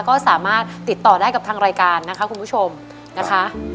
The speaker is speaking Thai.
ก็สามารถติดต่อได้กับทางรายการนะคะคุณผู้ชมนะคะ